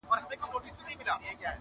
توري د پنځو زرو کلونو زنګ وهلي دي -